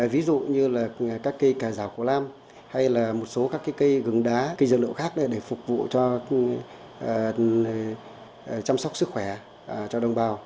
ví dụ như là các cây cà rào cổ lam hay là một số các cây gừng đá cây dược liệu khác để phục vụ cho chăm sóc sức khỏe cho đồng bào